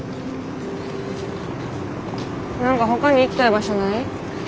何かほかに行きたい場所ない？